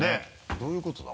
どういうことだ？